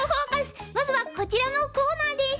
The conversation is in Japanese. まずはこちらのコーナーです。